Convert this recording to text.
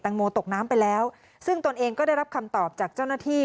งโมตกน้ำไปแล้วซึ่งตนเองก็ได้รับคำตอบจากเจ้าหน้าที่